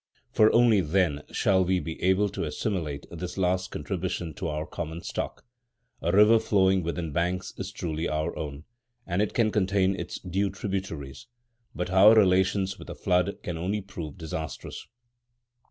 For only then shall we be able to assimilate this last contribution to our common stock. A river flowing within banks is truly our own, and it can contain its due tributaries; but our relations with a flood can only prove disastrous.